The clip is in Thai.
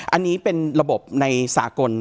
อันนี้เป็นระบบในสากล